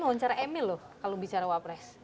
wawancara emil loh kalau bicara wapres